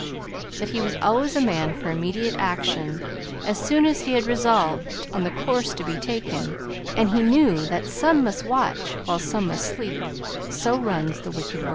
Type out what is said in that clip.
But he was always a man for immediate action as soon as he had resolved on the course to be taken; and he knew that "some must watch, while some must sleep; so runs the world away."